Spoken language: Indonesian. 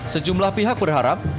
sejumlah pihak berharap